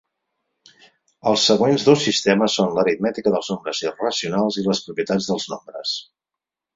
Els següents dos sistemes són l'aritmètica dels nombres irracionals i les propietats dels nombres.